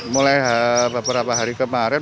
mulai beberapa hari kemarin